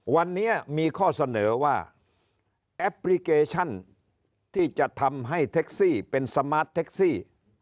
วันนี้มีข้อเสนอว่าแอปพลิเคชันที่จะทำให้แท็กซี่เป็นสมาร์ทแท็กซี่